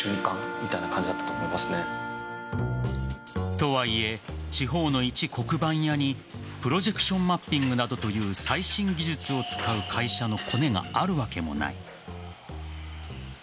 とはいえ、地方のいち黒板屋にプロジェクションマッピングなどという最新技術を使う会社のコネがあるわけもない。